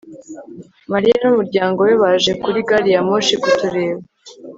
mariya n'umuryango we baje kuri gari ya moshi kutureba